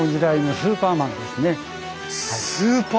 スーパーマン！